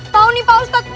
tahu nih pak ustadz